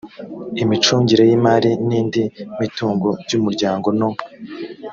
imicungire y imari n indi mitungo by umuryango no